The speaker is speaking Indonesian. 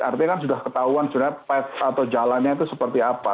artinya kan sudah ketahuan sebenarnya pet atau jalannya itu seperti apa